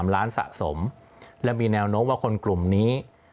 ๓ล้านสะสมและมีแนวโน้มว่าคนกลุ่มนี้